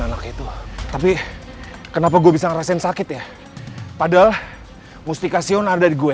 anak itu tapi kenapa gue bisa ngerasain sakit ya padahal musti kasion ada di gue